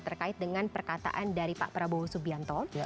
terkait dengan perkataan dari pak prabowo subianto